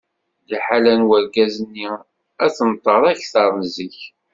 Liḥala n urgaz-nni ad tenṭer akteṛ n zik.